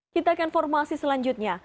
kita akan informasi selanjutnya